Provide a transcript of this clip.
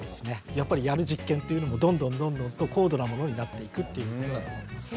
やっぱりやる実験っていうのもどんどんどんどんと高度なものになっていくっていうことだと思います。